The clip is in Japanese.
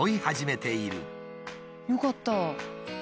よかった！